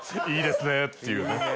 「いいですね」っていうね。